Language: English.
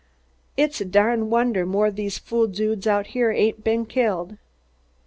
It's a darn wonder more of these fool dudes out here ain't been killed.